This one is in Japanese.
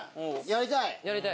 やりたい？